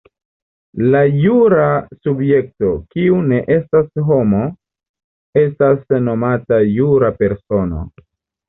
La jura subjekto, kiu ne estas homo, estas nomata jura persono.